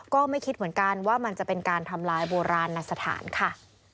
ก็ไม่คิดเหมือนกันว่ามันจะเป็นการทำลายโบราณสถานค่ะ